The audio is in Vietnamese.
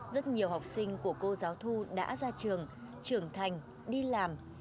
rất nhiều học sinh của cô giáo thu đã ra trường trưởng thành đi làm